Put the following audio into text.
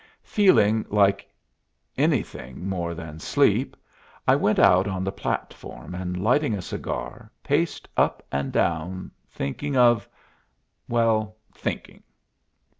Feeling like anything more than sleep, I went out on the platform, and, lighting a cigar, paced up and down, thinking of well, thinking.